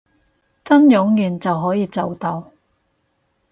真冗員就可以做到